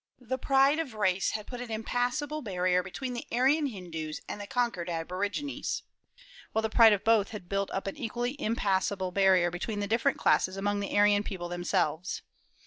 "The pride of race had put an impassable barrier between the Aryan Hindus and the conquered aborigines, while the pride of both had built up an equally impassable barrier between the different classes among the Aryan people themselves."